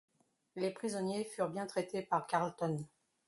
Les prisonniers furent bien traités par Carleton.